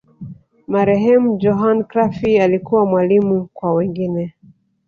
marehemu johan crufy alikuwa mwalimu kwa wengine